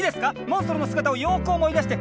モンストロの姿をよく思い出して。